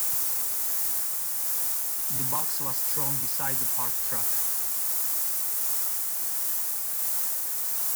The box was thrown beside the parked truck.